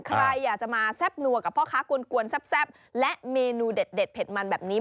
ใครอยากจะมาแซ่บนัวกับพ่อค้ากวนแซ่บและเมนูเด็ดเผ็ดมันแบบนี้